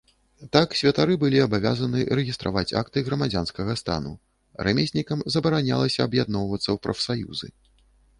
Так, святары былі абавязаны рэгістраваць акты грамадзянскага стану, рамеснікам забаранялася аб'ядноўвацца ў прафсаюзы.